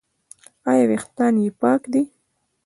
ایا ویښتان یې پاک دي؟